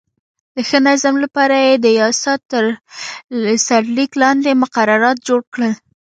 د ښه نظم لپاره یې د یاسا تر سرلیک لاندې مقررات جوړ کړل.